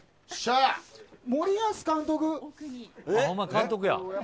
森保監督？